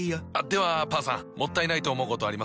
ではパンさんもったいないと思うことあります？